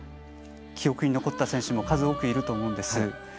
記憶に残った選手も数多くいると思うんです。